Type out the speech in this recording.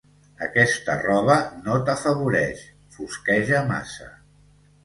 Aquesta roba no t'afavoreix: fosqueja massa.